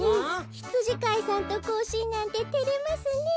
ひつじかいさんとこうしんなんててれますねえ。